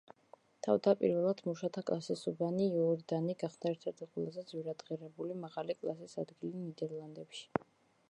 თავდაპირველად მუშათა კლასის უბანი, იორდანი, გახდა ერთ-ერთი ყველაზე ძვირადღირებული, მაღალი კლასის ადგილი ნიდერლანდებში.